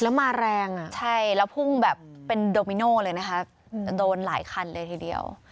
แล้วมาแรงอ่ะใช่แล้วพุ่งแบบเป็นโดมิโน่เลยนะคะโดนหลายคันเลยทีเดียว